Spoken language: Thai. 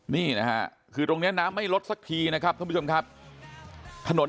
นี่นะฮะคือตรงนี้น้ำไม่ลดสักทีนะครับท่านผู้ชมครับถนน